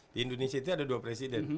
di indonesia itu ada dua presiden